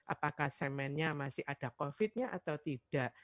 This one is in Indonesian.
apakah semennya masih ada covid nya atau tidak